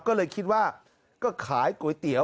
ก็เลยคิดว่าก็ขายก๋วยเตี๋ยว